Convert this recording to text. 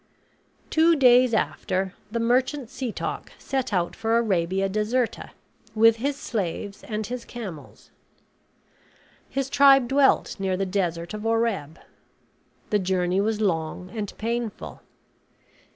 Two days after, the merchant Setoc set out for Arabia Deserta, with his slaves and his camels. His tribe dwelt near the Desert of Oreb. The journey was long and painful.